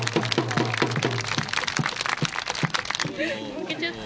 負けちゃった。